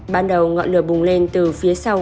ban đầu ngọn lửa bùng lên từ phía sau